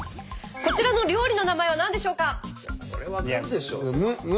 こちらの料理の名前は何でしょうか？